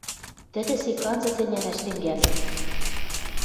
Тӹдӹ сек анзыц ӹнянӓш тӹнгӓлӹн.